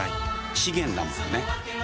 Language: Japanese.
資源だもんね。